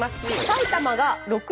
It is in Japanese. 埼玉が６６。